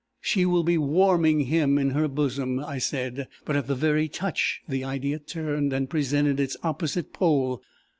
'She will be warming him in her bosom!' I said. But at the very touch, the idea turned and presented its opposite pole.